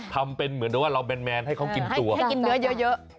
ทำเป็นเหมือนกับว่าเราแมนให้เขากินตัวให้กินเนื้อเยอะ